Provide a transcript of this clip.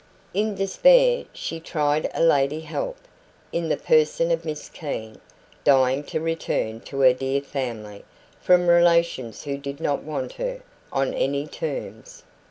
In despair she tried a lady help, in the person of Miss Keene, dying to return to her dear family (from relations who did not want her) on any terms.